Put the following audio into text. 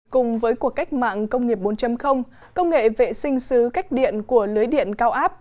cùng với cuộc cách mạng công nghiệp bốn công nghệ vệ sinh xứ cách điện của lưới điện cao áp